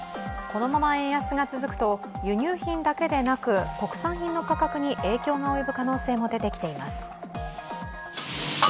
このまま円安が続くと、輸入品だけでなく国産品の価格に影響が及ぶ可能性も出てきています。